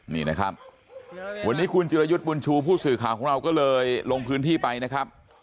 นี่นะครับวันนี้คุณจิรยุทธ์บุญชูผู้สื่อข่าวของเราก็เลยลงพื้นที่ไปนะครับ